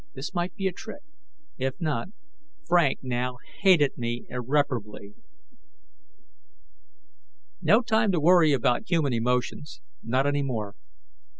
This might be a trick; if not, Frank now hated me irreparably. No time to worry about human emotions, not any more.